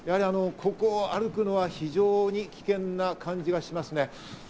ここを歩くのは非常に危険な感じがしますね。